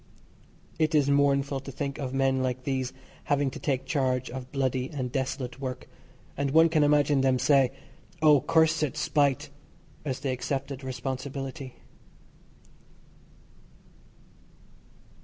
It is mournful to think of men like these having to take charge of bloody and desolate work, and one can imagine them say, "Oh! cursed spite," as they accepted responsibility.